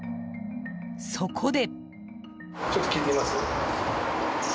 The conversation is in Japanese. そこで。